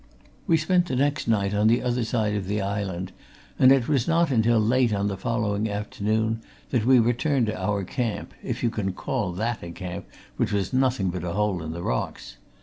We spent the next night on the other side of the island, and it was not until late on the following afternoon that we returned to our camp, if you can call that a camp which was nothing but a hole in the rocks.